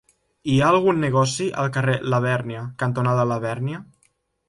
Hi ha algun negoci al carrer Labèrnia cantonada Labèrnia?